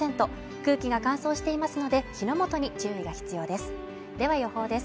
空気が乾燥していますので火の元に注意が必要ですでは予報です